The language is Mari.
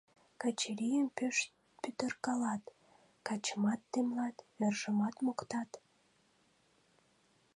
Качырийым пеш пӱтыркалат: качымат темлат, вержымат моктат.